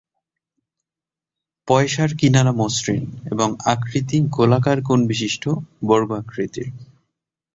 পয়সার কিনারা মসৃণ এবং আকৃতি গোলাকার কোন বিশিষ্ট বর্গ আকৃতির।